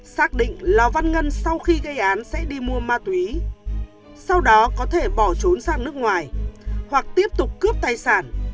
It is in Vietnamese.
xác định lò văn ngân sau khi gây án sẽ đi mua ma túy sau đó có thể bỏ trốn sang nước ngoài hoặc tiếp tục cướp tài sản